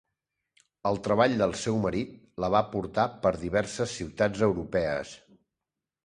El treball del seu marit la va portar per diverses ciutats europees.